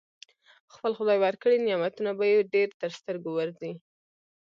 خپل خدای ورکړي نعمتونه به يې ډېر تر سترګو ورځي.